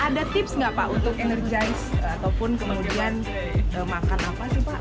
ada tips nggak pak untuk energis ataupun kemudian makan apa sih pak